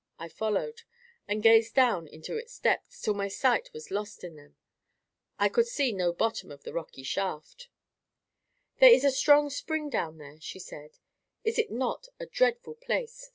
I followed, and gazed down into its depths, till my sight was lost in them. I could see no bottom to the rocky shaft. "There is a strong spring down there," she said. "Is it not a dreadful place?